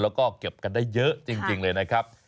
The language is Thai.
แล้วก็เก็บกันได้เยอะจริงเลยนะครับ